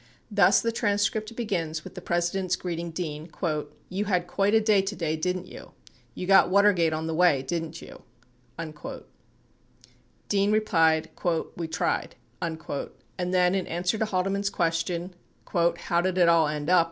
Thus the transcript begins with the President's greeting Dean: "You had quite a day today didn't you? You got Watergate on the way didn't you?" Dean replied, "We tried," 45 and then, in answer to Haldeman's question " How did it all end up?"